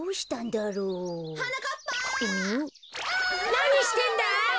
なにしてんだ？